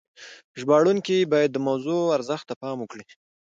ژباړونکي باید د موضوع ارزښت ته پام وکړي.